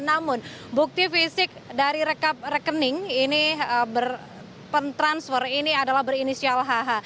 namun bukti fisik dari rekening ini berpentransfer ini adalah berinisial hh